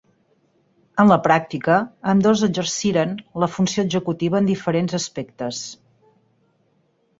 En la pràctica, ambdós exerciren la funció executiva en diferents aspectes.